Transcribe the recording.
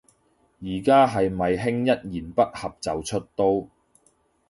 而家係咪興一言不合就出刀